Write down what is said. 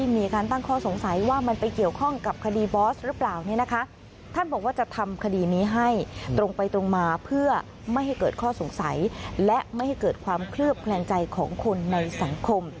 ไม่ให้เกิดความเคลือบแคลนใจของคนในสังคม